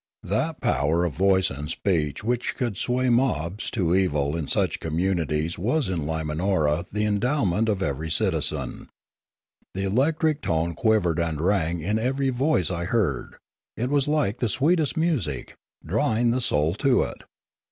That power of voice and speech which could sway mobs to evil in such communities was in Limanora the endowment of every citizen. The electric tone quivered and rang in every voice I heard; it was like the sweetest music, drawing the soul to it.